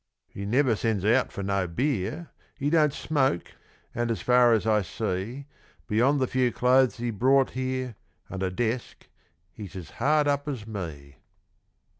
He never sends out for no beer, He don't smoke, and as far as I see, Beyond the few clothes he brought here, And a desk, he's as hard up as me.